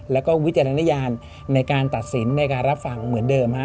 แล้วก็วิจารณญาณในการตัดสินในการรับฟังเหมือนเดิมฮะ